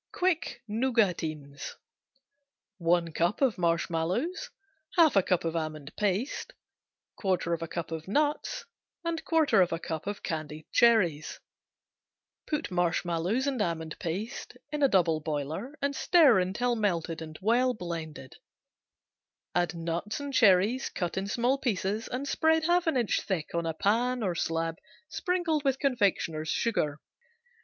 Quick Nougatines Marshmallows, 1 cup Almond paste, 1/2 cup Nuts, 1/4 cup Candied cherries, 1/4 cup Put marshmallows and almond paste in double boiler and stir until melted and well blended. Add nuts and cherries cut in small pieces and spread half an inch thick on a pan or slab sprinkled with confectioner's sugar.